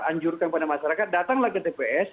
anjurkan kepada masyarakat datanglah ke tps